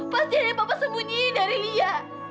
pasti ada yang papa sembunyi dari lia